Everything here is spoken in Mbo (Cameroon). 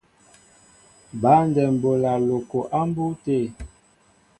Băndɛm bola loko a mbu té.